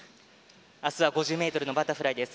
明日は５０ｍのバタフライです。